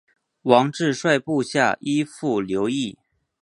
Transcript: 王质率部下依附留异。